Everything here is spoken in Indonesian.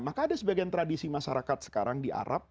maka ada sebagian tradisi masyarakat sekarang di arab